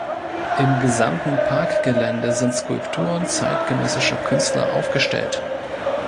Im gesamten Parkgelände sind Skulpturen zeitgenössischer Künstler aufgestellt.